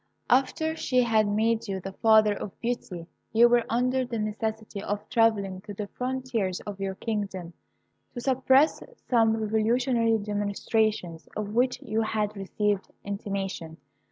After she had made you the father of Beauty you were under the necessity of travelling to the frontiers of your kingdom, to suppress some revolutionary demonstrations of which you had received intimation.